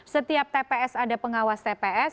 setiap tps ada pengawas tps